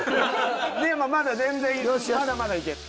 でもまだ全然まだまだいける。